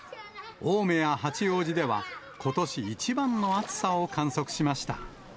青梅や八王子では、ことし一番の暑さを観測しました。